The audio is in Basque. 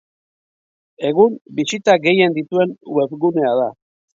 Egun, bisita gehien dituen webgunea da.